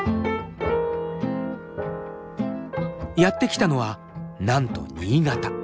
やって来たのはなんと新潟。